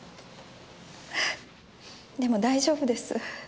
ええでも大丈夫です。